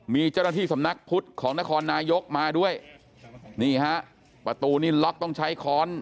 มีเจ้าหน้าที่สำนักพุทธของนครนายกมาด้วยนี่ฮะประตูนี้ล็อกต้องใช้ค้อน